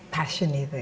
passion itu ya